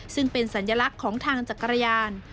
ซึ่งเป็นสัญลักษณ์ของทางจักรยาน